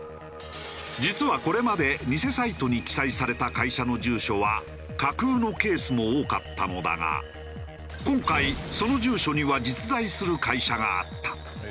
実はこれまで偽サイトに記載された会社の住所は架空のケースも多かったのだが今回その住所には実在する会社があった。